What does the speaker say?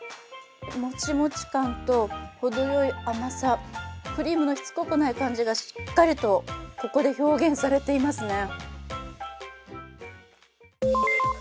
もちもち感とほどよい甘さ、クリームのしつこくない感じがしっかりとここで表現されていますね。